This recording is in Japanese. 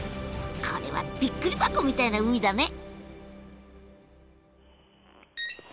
これはびっくり箱みたいな海だね。